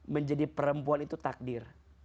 menjadi perempuan itu takdir